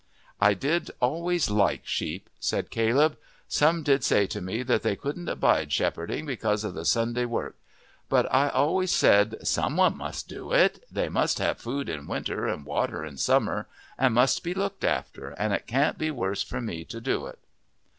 "I did always like sheep," said Caleb. "Some did say to me that they couldn't abide shepherding because of the Sunday work. But I always said, Someone must do it; they must have food in winter and water in summer, and must be looked after, and it can't be worse for me to do it."